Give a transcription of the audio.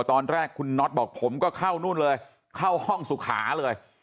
ตอนแรกคุณน็อตบอกผมก็เข้านู่นเลยเข้าห้องสุขาเลย